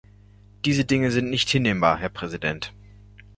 Diese Dinge sind nicht hinnehmbar, Herr Präsident.